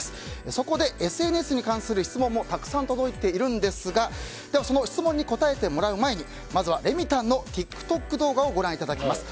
そこでＳＮＳに関する質問もたくさん届いているんですがその質問に答えてもらう前にまずはレミたんのＴｉｋＴｏｋ動画をご覧いただきます。